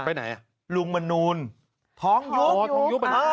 ไปไหนลุงมนูลท้องยุบ